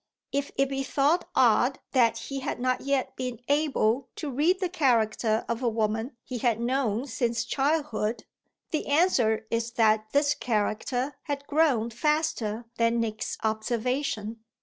If it be thought odd that he had not yet been able to read the character of a woman he had known since childhood the answer is that this character had grown faster than Nick's observation.